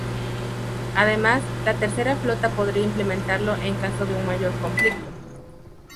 Además, la Tercera Flota podría implementarlo en caso de un mayor conflicto.